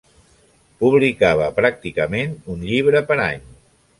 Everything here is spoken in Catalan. Publicava pràcticament un llibre per any.